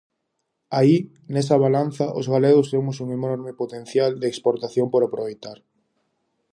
Aí, nesa balanza, os galegos temos un enorme potencial de exportación por aproveitar.